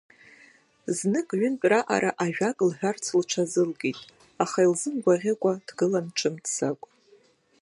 Знык-ҩынтә раҟара ажәак лҳәарц лҽазылкит, аха илзымгәаӷьыкәа дгылан ҿымҭӡакәа.